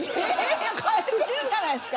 いや変えてるじゃないですか。